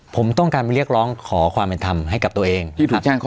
ผมต้องการไปเรียกร้องขอความบำหัยทำให้กับตัวเองใช่ครับที่ถูกแจ้ง